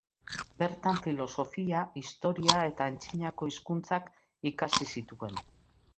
Bertan filosofia, historia eta antzinako hizkuntzak ikasi zituen.